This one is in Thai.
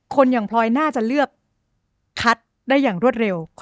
คนอย่างพลอยน่าจะเลือกคัดได้อย่างรวดเร็ว